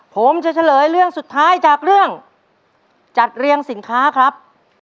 ผมจะเฉลยเรื่องสุดท้ายจากเรื่องจัดเรียงสินค้าครับ